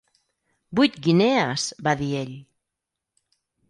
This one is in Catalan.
"Vuit guinees!", va dir ell.